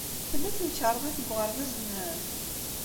Tella temkarḍit deg uɣerbaz-nnem?